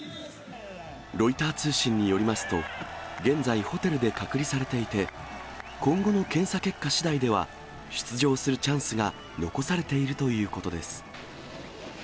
ロイター通信によりますと、現在ホテルで隔離されていて、今後の検査結果しだいでは、出場するチャンスが残されているということです。